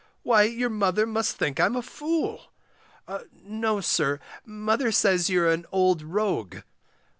Why your mother must think I'm a fool. No, sir, mother says you're an old rogue.